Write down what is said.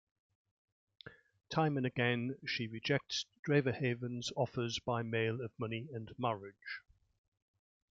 Time and again, she rejects Dreverhaven's offers by mail of money and marriage.